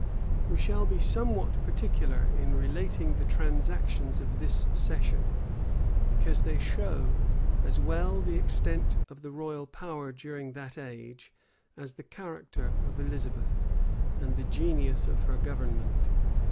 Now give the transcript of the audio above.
We shall be somewhat particular in relating the transactions of this session, because they show, as well the extent of the royal power during that age, as the character of Elizabeth, and the genius of her government.